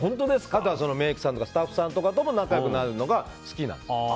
あとはメイクさんともスタッフさんとも仲良くなるのが好きなんです。